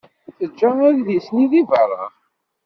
Teǧǧa adlis-nni deg beṛṛa.